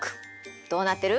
どうなってる？